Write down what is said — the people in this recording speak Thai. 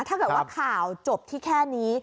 ถ้าเกิดว่าข่าวจบที่แค่นี้